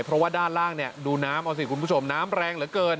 เพราะว่าด้านล่างเนี่ยดูน้ำเอาสิคุณผู้ชมน้ำแรงเหลือเกิน